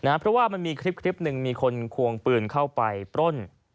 เพราะว่ามันมีคลิปหนึ่งมีคนควงปืนเข้าไปปล้น